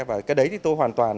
và cái đấy thì tôi hoàn toàn